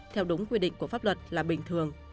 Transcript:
theo đúng quy định của pháp luật là bình thường